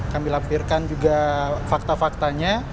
kami lampirkan juga fakta faktanya